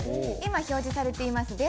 今表示されています